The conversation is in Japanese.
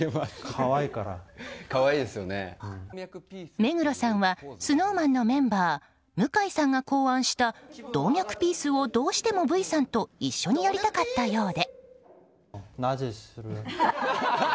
目黒さんはＳｎｏｗＭａｎのメンバー向井さんが考案した動脈ピースをどうしてもＶさんと一緒にやりたかったようで。